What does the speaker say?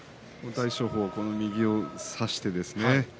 大翔鵬、この右を差してですね